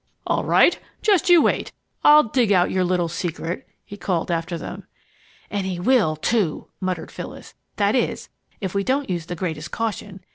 "All right! Just you wait! I'll dig out your little secret!" he called after them. "And he will, too!" muttered Phyllis. "That is, if we don't use the greatest caution.